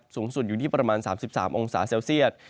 สูงสุดอยู่ที่ประมาณ๓๓องศาเซลเซียต